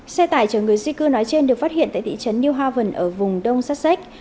xe tải chở người di cư nói trên được phát hiện tại thị trấn new haven ở vùng đông sassex